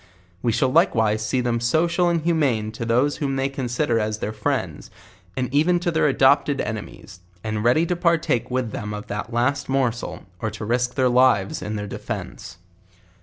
We shall likewise see them social and humane to those whom they consider as their friends, and even to their adop ted enemies; and ready to partake with them of the last mor sel, or to risk their lives in their defence.